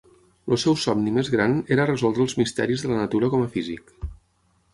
El seu somni més gran era resoldre els misteris de la natura com a físic.